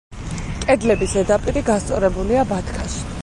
კედლების ზედაპირი გასწორებულია ბათქაშით.